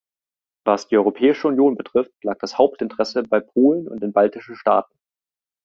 Was die Europäische Union betrifft, lag das Hauptinteresse bei Polen und den baltischen Staaten.